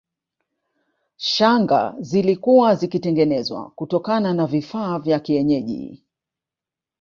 Shanga zilikuwa zikitengenezwa kutokana na vifaa vya kienyeji